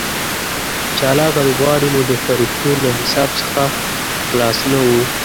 چالاکه لوبغاړي مو د فرښتو له حساب څخه خلاص نه وو.